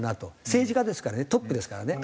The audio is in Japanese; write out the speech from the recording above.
政治家ですからねトップですからね。